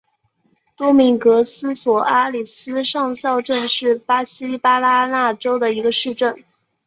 多明戈斯索阿里斯上校镇是巴西巴拉那州的一个市镇。